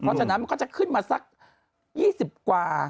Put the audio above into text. เพราะฉะนั้นมันก็จะขึ้นมาสัก๒๐กว่า